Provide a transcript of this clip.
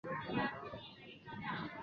有关部门正在对此进行调查。